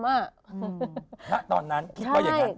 ตอนนั้นคิดว่าอย่างนั้น